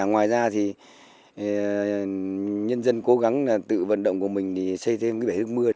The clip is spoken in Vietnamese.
ngoài ra thì nhân dân cố gắng tự vận động của mình thì xây thêm cái bể nước mưa